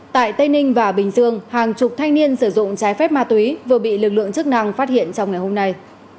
tại tây ninh và bình dương hàng chục thanh niên sử dụng trái phép ma túy vừa bị lực lượng chức năng phát hiện trong ngày hôm nay